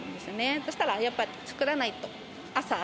そうしたらやっぱり作らないと。